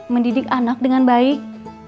mendidik anak dengan baik